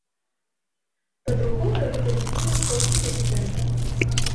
Па-другое, гэта любімы спорт прэзідэнта.